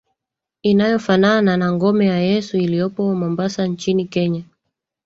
inayofanana na Ngome ya Yesu iliyopo Mombasa nchini Kenya